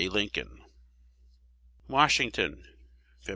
Lincoln. Washington, Feb.